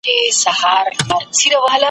هغوی چي وران کړل کلي ښارونه `